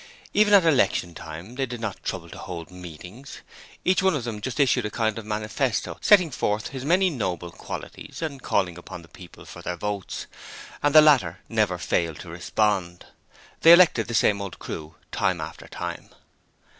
Even at election time they did not trouble to hold meetings: each one of them just issued a kind of manifesto setting forth his many noble qualities and calling upon the people for their votes: and the latter never failed to respond. They elected the same old crew time after time...